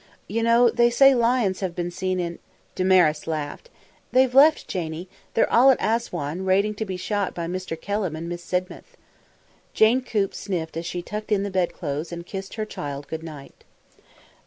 You know, they say lions have been seen in " Damaris laughed. "They've left, Janie! They're all at Assouan, waiting to be shot by Mr. Kelham and Miss Sidmouth." Jane Coop sniffed as she tucked in the bed clothes and kissed her child good night.